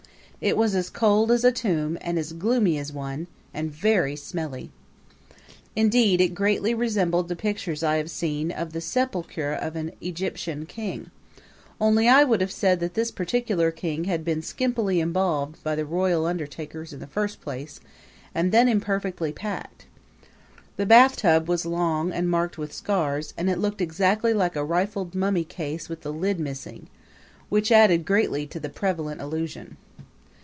It was as cold as a tomb and as gloomy as one, and very smelly. Indeed it greatly resembled the pictures I have seen of the sepulcher of an Egyptian king only I would have said that this particular king had been skimpily embalmed by the royal undertakers in the first place, and then imperfectly packed. The bathtub was long and marked with scars, and it looked exactly like a rifled mummy case with the lid missing, which added greatly to the prevalent illusion.